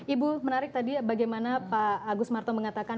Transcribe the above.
ibu menarik tadi bagaimana pak agus marto mengatakan